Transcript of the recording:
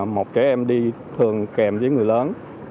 một trẻ em đi thường kèm với người lớn